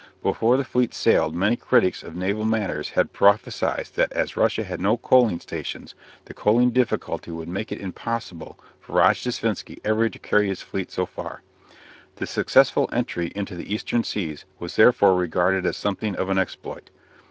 Before the fleet sailed many critics of naval matters had prophesied that as Russia had no coaling stations the coaling difficulty would make it impossible for Rojdestvensky ever to carry his fleet so far. The successful entry into the Eastern seas was therefore regarded as something of an exploit.